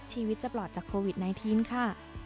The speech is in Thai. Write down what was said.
ชีวิตจะปลอดจากโควิด๑๙ค่ะ